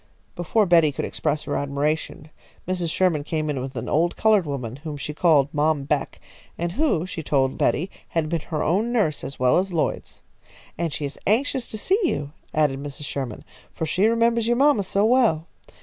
Before Betty could express her admiration, Mrs. Sherman came in with an old coloured woman whom she called Mom Beck, and who, she told Betty, had been her own nurse as well as Lloyd's. "And she is anxious to see you," added Mrs. Sherman, "for she remembers your mamma so well.